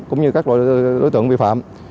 cũng như các loại đối tượng vi phạm